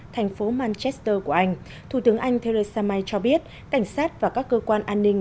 thành phố manchester của anh thủ tướng anh theresa may cho biết cảnh sát và các cơ quan an ninh